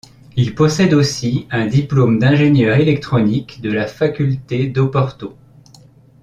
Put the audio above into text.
Il possède aussi un diplôme d'ingénieur électronique de la faculté d'Oporto.